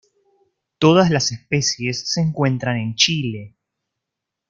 Todas las especies se encuentran en Chile.